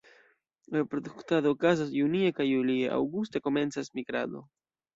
Reproduktado okazas junie kaj julie; aŭguste komencas migrado.